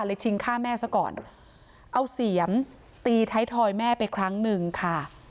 ชิงฆ่าแม่ซะก่อนเอาเสียมตีไทยทอยแม่ไปครั้งหนึ่งค่ะ